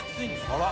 あら。